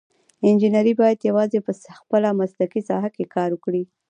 انجینر باید یوازې په خپله مسلکي ساحه کې کار وکړي.